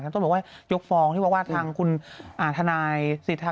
ต้นบอกว่ายกฟองที่ว่าวาดทางคุณอ่าทนายสิทธิ์ครับ